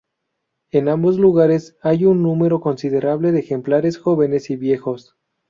En ambos lugares, hay un número considerable de ejemplares jóvenes y viejos.